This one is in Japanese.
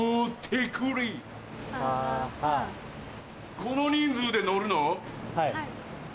この人数で乗るの？